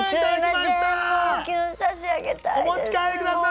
お持ち帰りください！